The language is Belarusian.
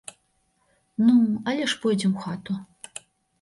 Ну, але ж пойдзем у хату.